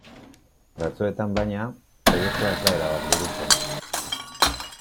Batzuetan, baina, proiektua ez da erabat burutzen.